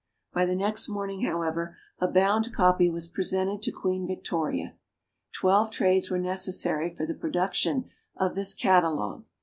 By the next morning, however, a bound copy was presented to Queen Victoria. Twelve trades were necessary for the production of this catalogue.